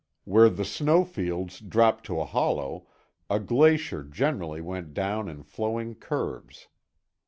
Where the snow fields dropped to a hollow, a glacier generally went down in flowing curves.